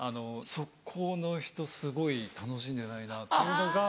そこの人すごい楽しんでないなというのが。